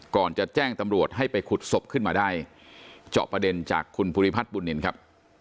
ก่อนจะแจ้งตำรวจให้ไปขุดศพขึ้นมาได้เจาะประเด็นจากคุณภูริพัฒน์บุญนินครับ